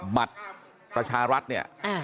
บัตรประชารัฐเนี่ย